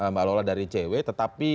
mbak lola dari icw tetapi